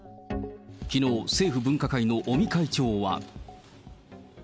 きのう、政府分科会の尾身会長は。